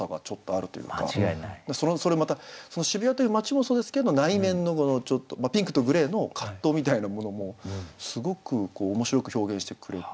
それまた渋谷という街もそうですけど内面の「ピンクとグレー」の葛藤みたいなものもすごく面白く表現してくれて好きでした。